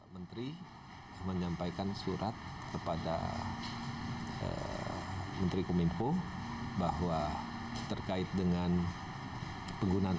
menteri menyampaikan surat kepada menteri kominfo bahwa terkait dengan penggunaan